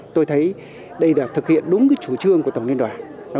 tôi thấy đây là thực hiện đúng chủ trương của tổng liên đoàn